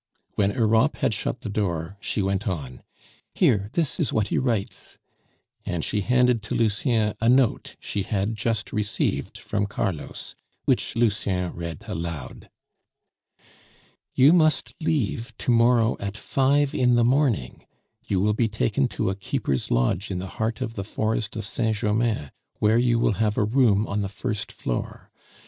When Europe had shut the door she went on "Here, this is what he writes," and she handed to Lucien a note she had just received from Carlos, which Lucien read aloud: "You must leave to morrow at five in the morning; you will be taken to a keeper's lodge in the heart of the Forest of Saint Germain, where you will have a room on the first floor.